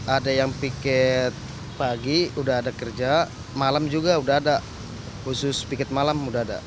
ada yang piket pagi udah ada kerja malam juga udah ada khusus piket malam udah ada